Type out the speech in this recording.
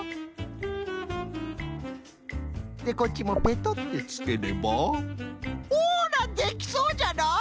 でこっちもペトッてつければほらできそうじゃない！？